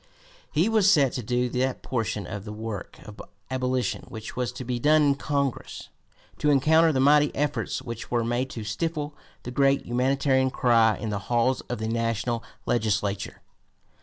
He was set to do that portion of the work of abolition which was to be done in Congress, to encounter the mighty efforts which were made to stifle the great humanitarian cry in the halls of the national legislature.